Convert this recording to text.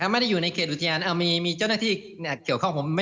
ไม่ได้อยู่ในเขตอุทยานมีเจ้าหน้าที่เกี่ยวข้อง